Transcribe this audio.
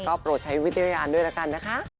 ก็โปรดใช้วิทยาลัยอร์ด้วยละกันนะคะ